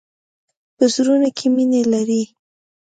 په زړونو کې مینه لری.